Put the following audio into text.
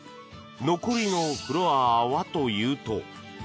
残りのフロアはというと。